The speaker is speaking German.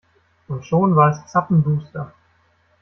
Und schon war es zappenduster.